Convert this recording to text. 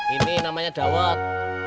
ini namanya dawet